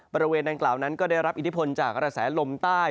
บริเวณดังกล่าวนั้นก็ได้รับอิทธิพลจากกระแสลมใต้